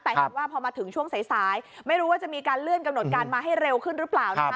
แต่เห็นว่าพอมาถึงช่วงสายไม่รู้ว่าจะมีการเลื่อนกำหนดการมาให้เร็วขึ้นหรือเปล่านะครับ